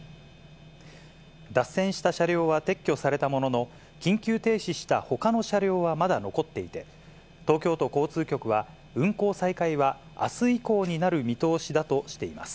脱線した車両は撤去されたものの、緊急停止したほかの車両はまだ残っていて、東京都交通局は、運行再開はあす以降になる見通しだとしています。